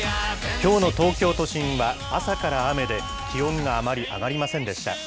きょうの東京都心は朝から雨で、気温があまり上がりませんでした。